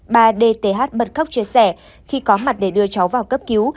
bà dth bật khóc chia sẻ khi có mặt để đưa cháu vào cấp cứu